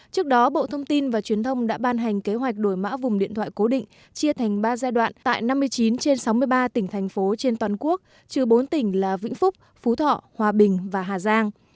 trước đó bộ thông tin và truyền thông đã ban hành kế hoạch đổi mã vùng điện thoại cố định chia thành ba giai đoạn tại năm mươi chín trên sáu mươi ba tỉnh thành phố trên toàn quốc trừ bốn tỉnh là vĩnh phúc phú thọ hòa bình và hà giang